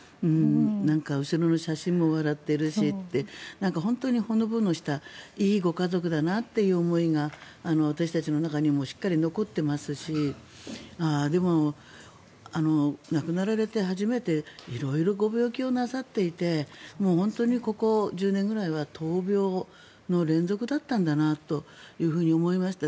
後ろの写真も笑っているし本当にほのぼのしたいいご家族だなという思いが私たちの中にもしっかり残っていますしでも亡くなられて初めて色々ご病気をなさっていてもう本当に、ここ１０年くらいは闘病の連続だったんだなというふうに思いました。